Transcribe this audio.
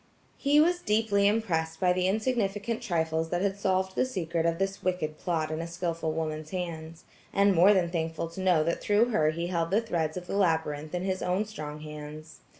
He was deeply impressed by the insignificant trifles that had solved the secret of this wicked plot, in a skillful woman's hands, and more than thankful to know that through her he held the threads of the labyrinth in his own strong hands.